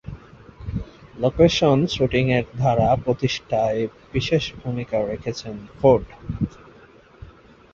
Location শুটিংয়ের ধারা প্রতিষ্ঠায় বিশেষ ভূমিকা রেখেছেন ফোর্ড।